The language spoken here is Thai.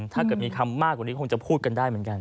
ถ้าเกิดมีคำมากกว่านี้คงจะพูดกันได้เหมือนกัน